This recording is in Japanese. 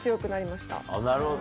なるほど。